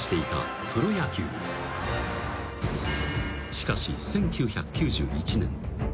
［しかし１９９１年］